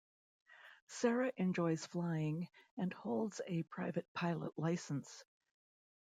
Sara enjoys flying and holds a private pilot license.